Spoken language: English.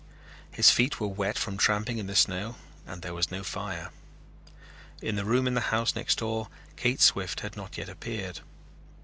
His feet were wet from tramping in the snow and there was no fire. In the room in the house next door Kate Swift had not yet appeared.